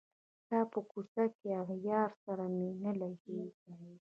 ستا په کوڅه کي له اغیار سره مي نه لګیږي